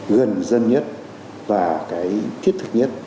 gần dân nhất và cái thiết thực nhất